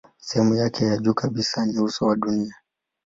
Sehemu yake ya juu kabisa ni uso wa dunia.